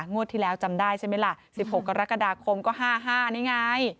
ที่แล้วจำได้ใช่ไหมล่ะ๑๖กรกฎาคมก็๕๕นี่ไง